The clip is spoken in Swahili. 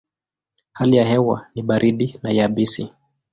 Hali ya hewa ni baridi na yabisi.